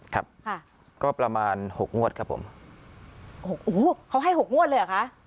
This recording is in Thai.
ครับค่ะก็ประมาณหกงวดครับผมหกโอ้โหเขาให้หกงวดเลยเหรอคะ